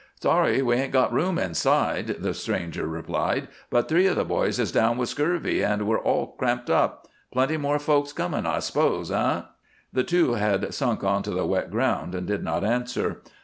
"Sorry we 'ain't got room inside," the stranger replied, "but three of the boys is down with scurvy, and we're all cramped up. Plenty more folks coming, I s'pose, eh?" The two had sunk on to the wet ground and did not answer.